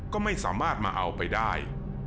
ก็ไม่สามารถมาเอาไปได้